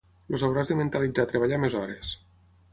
Els hauràs de mentalitzar a treballar més hores.